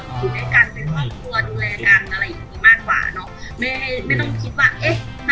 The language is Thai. อยู่ด้วยกันเป็นครอบครัวดูแลกันอะไรอย่างงี้มากกว่าเนอะแม่ให้ไม่ต้องคิดว่าเอ๊ะ